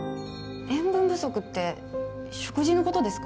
塩分不足って食事の事ですか？